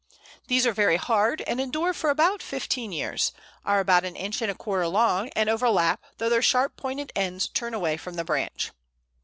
They are very hard, and endure for about fifteen years; are about an inch and a quarter long, and overlap, though their sharp pointed ends turn away from the branch.